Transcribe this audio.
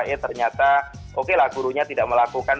eh ternyata oke lah gurunya tidak melakukan